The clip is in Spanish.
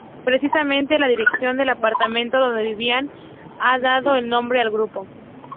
Precisamente la dirección del apartamento donde vivían ha dado el nombre al grupo.